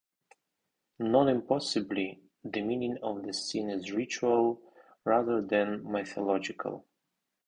Not impossibly, the meaning of the scene is ritual, rather than mythological.